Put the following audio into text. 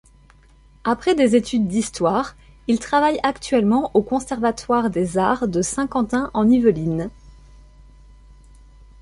Après des études d'histoire, il travaille actuellement au conservatoire des Arts de Saint-Quentin-en-Yvelines.